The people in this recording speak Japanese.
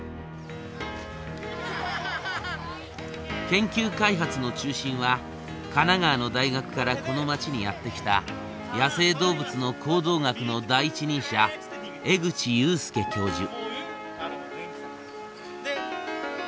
研究開発の中心は神奈川の大学からこの町にやって来た野生動物の行動学の第一人者江口祐輔教授。